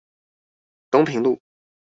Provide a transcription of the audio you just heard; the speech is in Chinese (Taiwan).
東平路